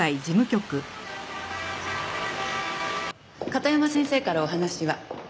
片山先生からお話は。